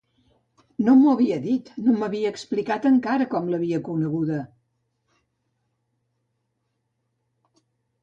No m'ho havia dit, no m'havia explicat encara com l'havia coneguda!